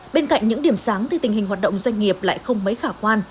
bên cạnh những điểm sáng thì tình hình hoạt động doanh nghiệp lại không mấy khả quan